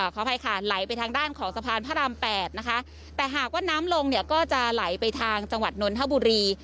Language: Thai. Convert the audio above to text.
ขออภัยค่ะไหลไปทางด้านของสะพานพระราม๘นะคะแต่หากว่าน้ำลงเนี่ยก็จะไหลไปทางจังหวัดนนทบุรี